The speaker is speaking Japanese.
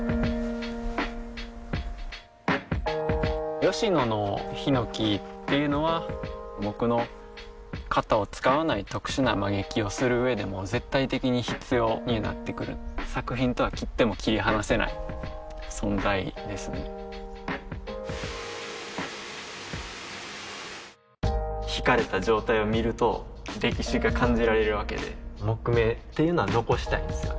吉野のひのきっていうのは僕の型を使わない特殊な曲げ木をするうえでも絶対的に必要になってくる作品とは切っても切り離せない存在ですねひかれた状態を見ると歴史が感じられるわけで木目っていうのは残したいんですよね